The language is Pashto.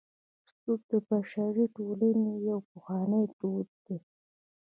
سود د بشري ټولنې یو پخوانی دود دی